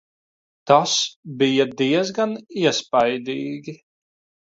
Tas bija diezgan iespaidīgi.